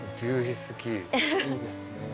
いいですね。